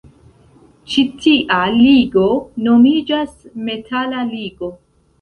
Ĉi tia ligo nomiĝas metala ligo.